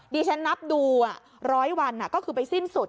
ดิฉันนับดู๑๐๐วันก็คือไปสิ้นสุด